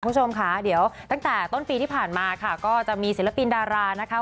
คุณผู้ชมค่ะเดี๋ยวตั้งแต่ต้นปีที่ผ่านมาค่ะก็จะมีศิลปินดารานะคะ